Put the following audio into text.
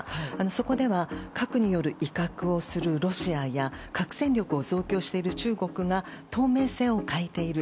そこでは核による威嚇をするロシアや核戦力を増強している中国が透明性を欠いている。